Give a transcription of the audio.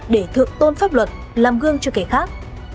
để thượng tôn pháp luật làm gương cho kẻ khác